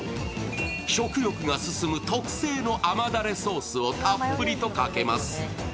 食欲が進む特製の甘だれソースをたっぷりとかけます。